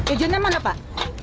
ijennya mana pak